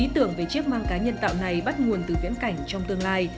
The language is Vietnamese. ý tưởng về chiếc mang cá nhân tạo này bắt nguồn từ viễn cảnh trong tương lai